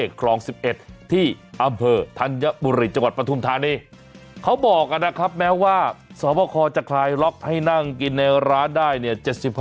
คลอง๑๑ที่อำเภอธัญบุรีจังหวัดปฐุมธานีเขาบอกกันนะครับแม้ว่าสวบคอจะคลายล็อกให้นั่งกินในร้านได้เนี่ย